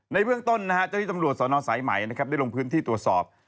ในเบื้องต้นนะฮะเจ้าที่ตำรวจสนสายใหม่นะครับได้ลงพื้นที่ตรวจสอบ